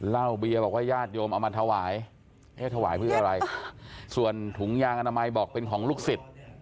เหล้าเบียบอกว่าญาติโยมเอามาถวายเอ๊ะถวายเพื่ออะไรส่วนถุงยางอนามัยบอกเป็นของลูกศิษย์